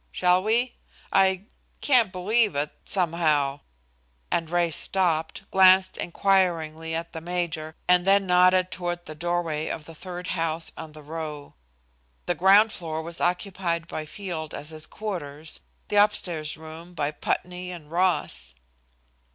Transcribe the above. Shall we? I can't believe it some how," and Ray stopped, glanced inquiringly at the major, and then nodded toward the doorway of the third house on the row. The ground floor was occupied by Field as his quarters, the up stair rooms by Putney and Ross.